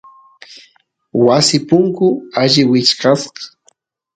wasi punku alli wichkasq